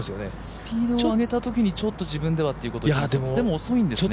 スピードを上げたときにちょっと自分ではっていう感じがでも遅いんですね。